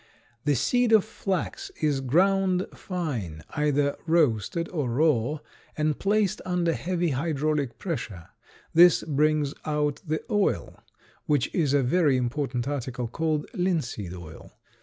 The seed of flax is ground fine, either roasted or raw, and placed under heavy hydraulic pressure. This brings out the oil, which is a very important article called linseed oil.